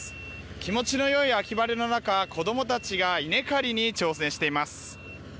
気持ちのよい秋晴れの中、子供たちが稲刈りに挑戦しています。